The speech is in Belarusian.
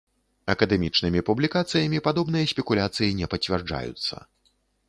Акадэмічнымі публікацыямі падобныя спекуляцыі не пацвярджаюцца.